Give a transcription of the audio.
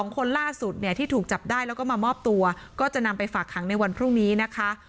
คนล่าสุดเนี่ยที่ถูกจับได้แล้วก็มามอบตัวก็จะนำไปฝากขังในวันพรุ่งนี้นะคะ